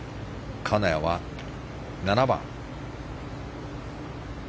金谷は７番。